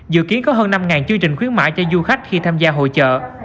dự kiến có hơn năm chương trình khuyến mại cho du khách khi tham gia hội trợ